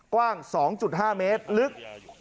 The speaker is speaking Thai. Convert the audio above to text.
กว้าง๒๕เมตรลึก